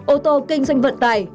ô tô kinh doanh vận tải